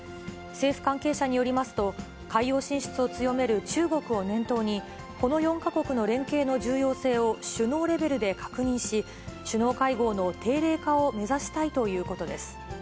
政府関係者によりますと、海洋進出を強める中国を念頭に、この４か国の連携の重要性を首脳レベルで確認し、首脳会合の定例化を目指したいということです。